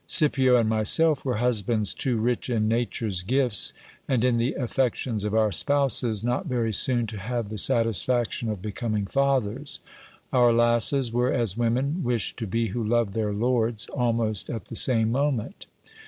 Scipio and myself were husbands too rich in nature's gifts and in the affections of our spouses, not very soon to have the satisfaction of becoming fathers : our lasses were as women wish to be who love their lords, almost at the same moment.